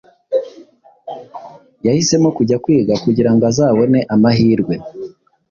yahisemo kujya kwiga kugira ngo azabone amahirwe